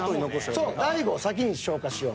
そう大悟を先に消化しよう。